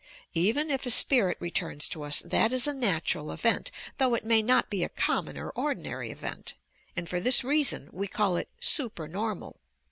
Even if a spirit returns to us, that is a natural event, though it may not be a common or ordi nary event, and for this reason, we call it "super normal."